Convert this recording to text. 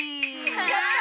やった！